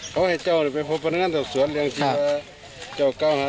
เขาให้เจ้าไปพบประณงานจากสวรรค์เลี้ยงชีวาเจ้าเก้าหา